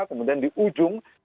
kemudian di ujung